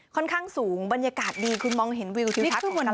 ค่อนข้างสูงบรรยากาศดีคุณมองเห็นวิวทิวทักของกาลสินด้วย